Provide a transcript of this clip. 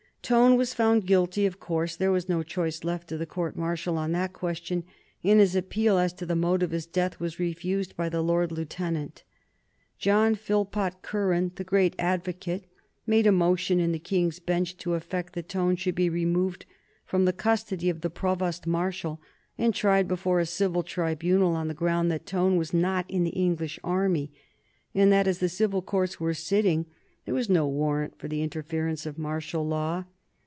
Tone was found guilty, of course; there was no choice left to the court martial on that question, and his appeal as to the mode of his death was refused by the Lord Lieutenant. John Philpot Curran, the great advocate, made a motion in the King's Bench to the effect that Tone should be removed from the custody of the Provost Marshal and tried before a civil tribunal, on the ground that Tone was not in the English army, and that, as the civil courts were sitting, there was no warrant for the interference of martial law.